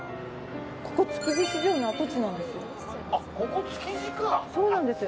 ここ築地市場の跡地なんです。